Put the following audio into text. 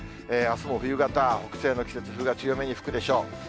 あすも冬型、北西の季節風が強めに吹くでしょう。